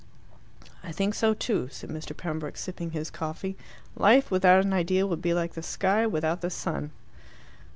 "I think so too," said Mr. Pembroke, sipping his coffee. "Life without an ideal would be like the sky without the sun."